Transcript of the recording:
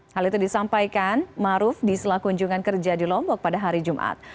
hal itu disampaikan maruf di sela kunjungan kerja di lombok pada hari jumat